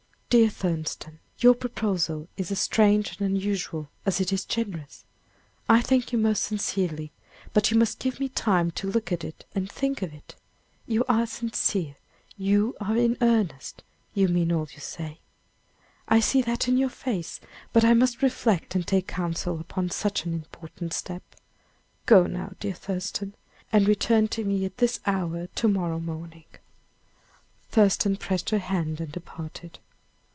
"Dear Thurston, your proposal is as strange and unusual as it is generous. I thank you most sincerely, but you must give me time to look at it and think of it. You are sincere, you are in earnest, you mean all you say. I see that in your face; but I must reflect and take counsel upon such an important step. Go now, dear Thurston, and return to me at this hour to morrow morning." Thurston pressed her hand and departed.